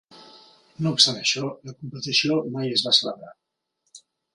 No obstant això, la competició mai es va celebrar.